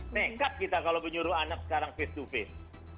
nekat kita kalau menyuruh anak sekarang face to face